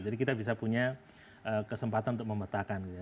jadi kita bisa punya kesempatan untuk memetakan gitu ya